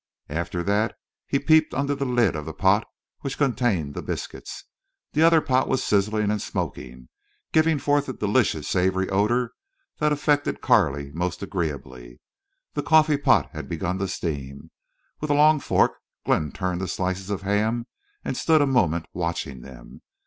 After that he peeped under the lid of the pot which contained the biscuits. The other pot was sizzling and smoking, giving forth a delicious savory odor that affected Carley most agreeably. The coffee pot had begun to steam. With a long fork Glenn turned the slices of ham and stood a moment watching them.